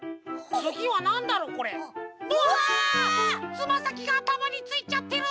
つまさきがあたまについちゃってる！